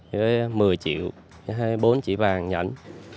một mươi triệu bốn chỉ vàng nhảnh